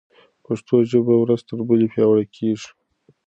پښتو ژبه ورځ تر بلې پیاوړې کېږي.